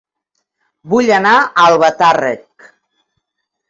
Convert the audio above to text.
Vull anar a Albatàrrec